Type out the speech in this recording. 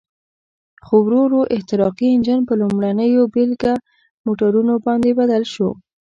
خو ورو ورو احتراقي انجن په لومړنیو بېلګه موټرونو باندې بدل شو.